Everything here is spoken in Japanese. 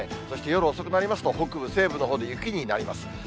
そして夜遅くになりますと、北部、西部のほうで雪になります。